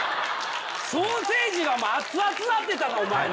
ソーセージが熱々なってたなお前なあ。